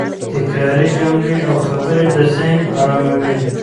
تکراري جملې او خبرې د ذهن اراموي.